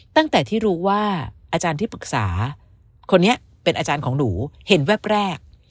ตั้งแต่ที่รู้ว่าอาจารย์ที่ปรึกษาคนนี้เป็นอาจารย์ของหนูเห็นแวบแรก